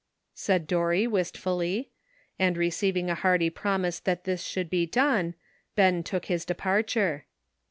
said Dorry wistfully; and receiving a hearty promise that this should be done, Ben took his departure.